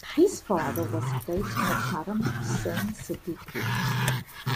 His father was Late Mukarram Hussain Siddiqui.